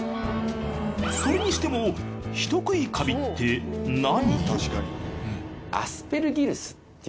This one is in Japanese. それにしても人食いカビって何？